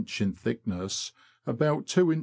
in thickness, about 2in.